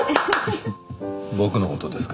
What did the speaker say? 僕の事ですか？